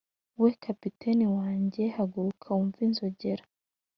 we! kapiteni wanjye! haguruka wumve inzogera;